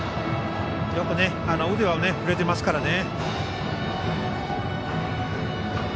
よく腕は振れてますからね。